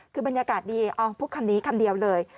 คือบรรยากาศดีเอาพูดคำนี้คำเดียวเลย